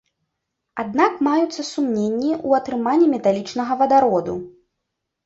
Аднак маюцца сумненні ў атрыманні металічнага вадароду.